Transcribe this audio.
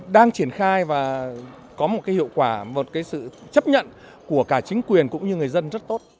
đang triển khai và có một cái hiệu quả một cái sự chấp nhận của cả chính quyền cũng như người dân rất tốt